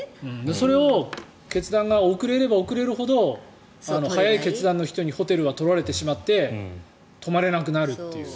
決断が遅れれば遅れるほど早い決断の人にホテルは取られてしまって泊まれなくなるという。